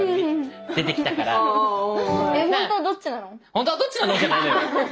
「本当はどっちなの？」じゃないのよ。